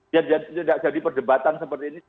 biar tidak jadi perdebatan seperti ini